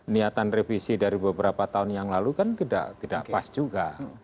niatan revisi dari beberapa tahun yang lalu kan tidak pas juga